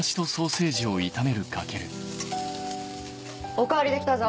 お代わり出来たぞ。